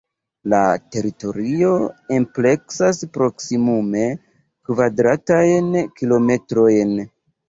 La teritorio ampleksas proksimume kvadratajn kilometrojn.